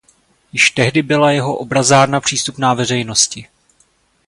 Již tehdy byla jeho obrazárna přístupná veřejnosti.